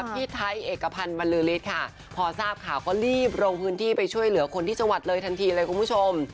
พี่ไทยเอกพันธ์บรรลือฤทธิ์ค่ะพอทราบข่าวก็รีบลงพื้นที่ไปช่วยเหลือคนที่จังหวัดเลยทันทีเลยคุณผู้ชม